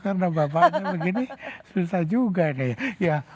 karena bapaknya begini susah juga deh ya